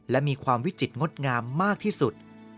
และมีความวิจิตรงดงามมากที่สุด